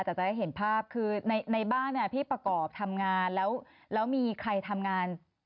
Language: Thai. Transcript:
แต่จะได้เห็นภาพคือในบ้านพี่ประกอบทำงานแล้วมีใครทำงาน